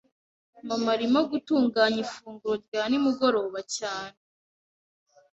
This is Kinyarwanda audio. Mama arimo gutunganya ifunguro rya nimugoroba cyane.